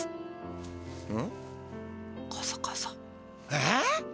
えっ！？